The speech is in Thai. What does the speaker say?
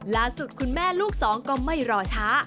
ล่าสุดคุณแม่ลูกสองก็ไม่รอช้า